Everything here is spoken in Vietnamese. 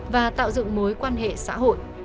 và tạo dựng mối quan hệ xã hội